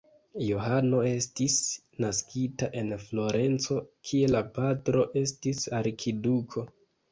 Johano estis naskita en Florenco, kie la patro estis arkiduko.